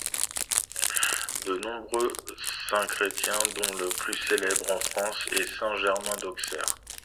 De nombreux saints chrétiens dont le plus célèbre, en France, est saint Germain d'Auxerre.